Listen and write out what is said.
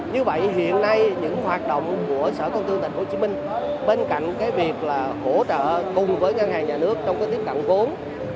cùng với ngân hàng nhà nước trong tiếp cận vốn